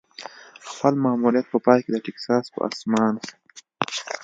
د خپل ماموریت په پای کې د ټیکساس په اسمان.